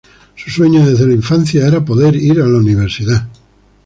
Su sueño desde la infancia era poder ir a la universidad.